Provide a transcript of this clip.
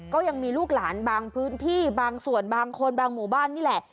ก็ยังมีลูกหลานบางพื้นที่บางส่วนบางคนบางหมู่บ้านนี่แหละ